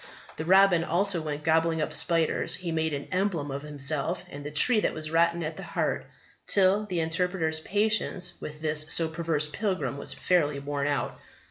The robin also when gobbling up spiders he made an emblem of himself, and the tree that was rotten at the heart, till the Interpreter's patience with this so perverse pilgrim was fairly worn out.